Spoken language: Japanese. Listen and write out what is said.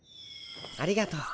ありがとう。